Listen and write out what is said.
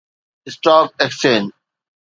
stock exchange